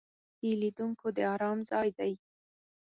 چوکۍ د لیدونکو د آرام ځای دی.